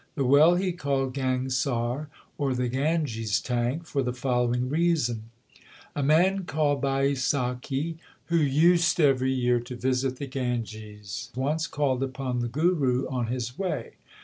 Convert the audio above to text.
The well he called Gangsar, or the Ganges tank, for the following reason : A man called Baisakhi, who used every year to visit the Ganges, once called upon the Guru on his way.